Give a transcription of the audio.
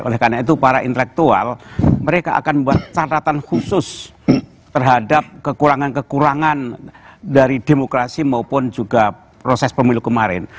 oleh karena itu para intelektual mereka akan membuat catatan khusus terhadap kekurangan kekurangan dari demokrasi maupun juga proses pemilu kemarin